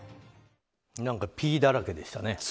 何かピーだらけでしたね。